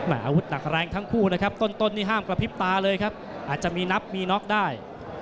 อาวุธหนักแรงทั้งคู่นะครับต้นนี่ห้ามกระพริบตาเลยครับอาจจะมีนับมีน็อกได้